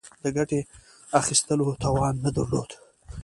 د ګټې اخیستلو توان نه درلود.